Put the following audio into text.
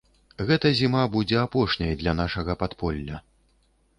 Гэта зіма будзе апошняй для нашага падполля.